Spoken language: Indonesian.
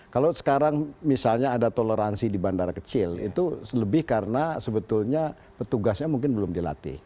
kalau sekarang misalnya ada toleransi di bandara kecil itu lebih karena sebetulnya petugasnya mungkin belum dilatih